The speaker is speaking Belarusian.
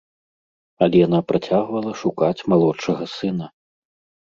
Алена працягвала шукаць малодшага сына.